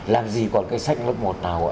làm gì còn cái sách lớp một nào